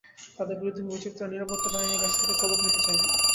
তাদের বিরুদ্ধে অভিযোগ, তারা নিরাপত্তা বাহিনীর কাছ থেকে সবক নিতে চায়নি।